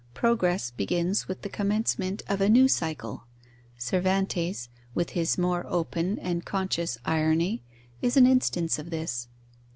Progress begins with the commencement of a new cycle. Cervantes, with his more open and conscious irony, is an instance of this.